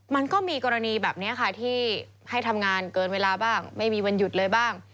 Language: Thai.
มันก็มีกรณีแบบนี้ค่ะที่ให้ทำงานเกินเวลาบ้างไม่มีวันหยุดเลยบ้าง